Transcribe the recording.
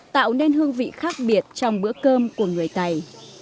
tạo nên hương vị khác biệt trong bữa cơm của người tày